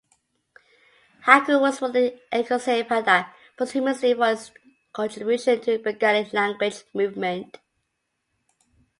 Haque was awarded Ekushey Padak posthumously for his contribution to the Bengali language movement.